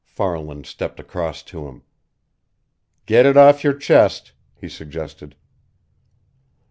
Farland stepped across to him. "Get it off your chest!" he suggested.